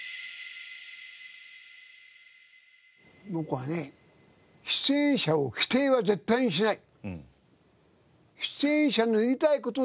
僕はね出演者を否定は絶対にしない。